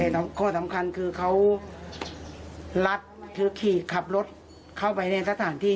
ข้อสำคัญคือเขารัดคือขี่ขับรถเข้าไปในสถานที่